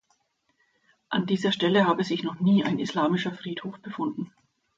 An dieser Stelle habe sich noch nie ein islamischer Friedhof befunden.